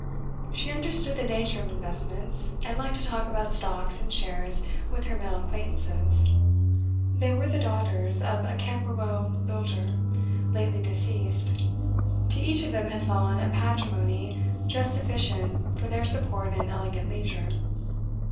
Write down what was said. She understood the nature of investments, and liked to talk about stocks and shares with her male acquaintances. They were the daughters of a Camberwell builder, lately deceased; to each of them had fallen a patrimony just sufficient for their support in elegant leisure.